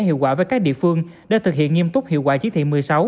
hiệu quả với các địa phương để thực hiện nghiêm túc hiệu quả chỉ thị một mươi sáu